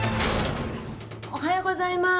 おはようございます。